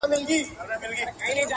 پاچا مخكي ورپسې سل نوكران وه .!